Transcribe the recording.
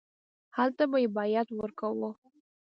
هلته به یې بیعت ورکاوه.